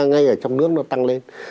ngay ở trong nước nó tăng lên